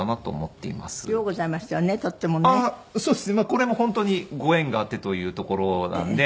これも本当にご縁があってというところなんで。